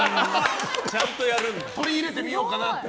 取り入れてみようかなって？